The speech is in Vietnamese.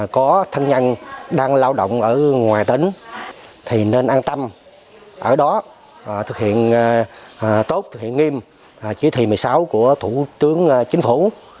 có thân nhân đang lao động ở ngoài tỉnh thì nên an tâm ở đó thực hiện tốt thực hiện nghiêm chỉ thị một mươi sáu của thủ tướng chính phủ